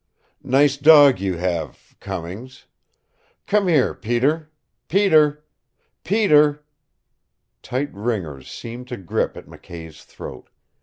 "Nice dog you have, Cummings. Come here, Peter! Peter Peter " Tight ringers seemed to grip at McKay's throat.